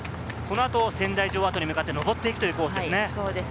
この後、仙台城跡に向かって上っていくコースですね。